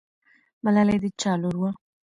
ملالۍ د چا لور وه؟